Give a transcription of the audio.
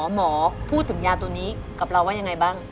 หมอพูดถึงยาตัวนี้กับเราว่ายังไงบ้าง